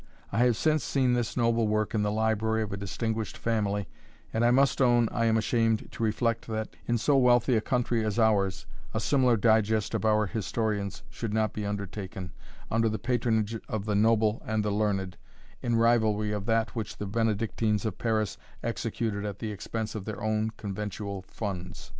I have since seen this noble work in the library of a distinguished family, and I must own I am ashamed to reflect, that, in so wealthy a country as ours, a similar digest of our historians should not be undertaken, under the patronage of the noble and the learned, in rivalry of that which the Benedictines of Paris executed at the expense of their own conventual funds.